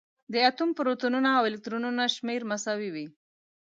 د اتوم پروتونونه او الکترونونه شمېر مساوي وي.